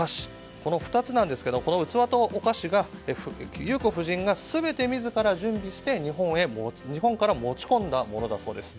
この２つなんですがこの器とお菓子が裕子夫人が全て自ら準備して日本から持ち込んだものだそうです。